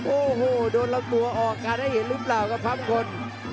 โอ้โหโดนลำตัวออกการให้เห็นหรือเปล่ากับฟ้ามงคล